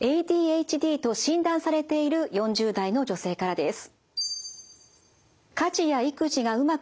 ＡＤＨＤと診断されている４０代の女性からです。